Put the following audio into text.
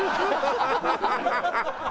ハハハハ！